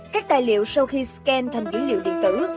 các tài liệu sau khi scan thành dữ liệu điện tử